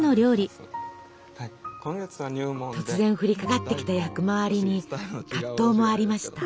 突然降りかかってきた役回りに葛藤もありました。